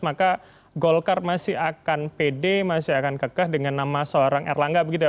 maka golkar masih akan pede masih akan kekeh dengan nama seorang erlangga begitu ya